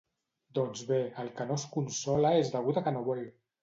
Doncs bé, el que no es consola és degut a que no vol!